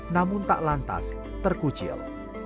namun tak lantas terkucil